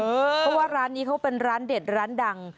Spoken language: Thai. เพราะว่าร้านนี้เขาเป็นร้านเด็ดร้านดัง